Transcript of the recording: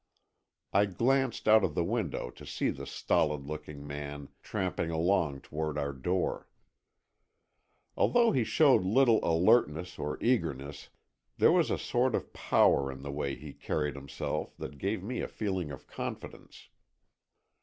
I glanced out of the window to see the stolid looking man tramping along toward our door. Although he showed little alertness or eagerness, there was a sort of power in the way he carried himself that gave me a feeling of confidence.